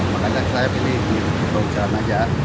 makanya saya pilih di bahu jalan aja